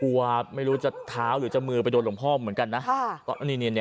ไม่รู้จะเท้าหรือจะมือไปโดนหลวงพ่อเหมือนกันนะ